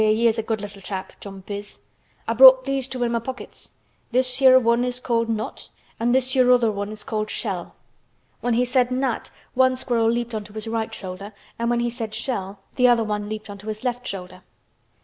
"Eh! he is a good little chap—Jump is! I brought these two in my pockets. This here one he's called Nut an' this here other one's called Shell." When he said "Nut" one squirrel leaped on to his right shoulder and when he said "Shell" the other one leaped on to his left shoulder.